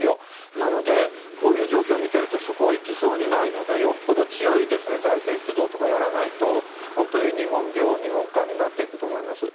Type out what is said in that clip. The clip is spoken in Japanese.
なのでこういう状況を見ているとそこは行きそうにないのでよほど強い財政出動とかやらないと本当に日本病、日本化になっていくと思います。